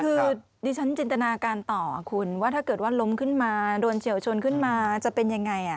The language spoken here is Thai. คือดิฉันจินตนาการต่อคุณว่าถ้าเกิดว่าล้มขึ้นมาโดนเฉียวชนขึ้นมาจะเป็นยังไง